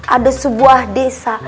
ada sebuah desa